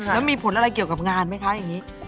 แล้วมีผลอะไรเกี่ยวกับงานไหมคะอย่างนี้